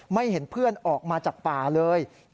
เห็นเพื่อนออกมาจากป่าเลย